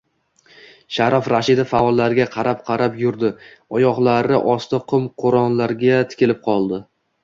Sharof Rashidov faollarga qarab-qarab yurdi, oyoqlari osti qum-tuproqlarga tikilib qoldi.